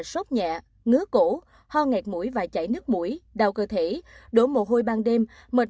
sốt nhẹ ngứa cổ ho nghẹt mũi và chảy nước mũi đau cơ thể đổ mồ hôi ban đêm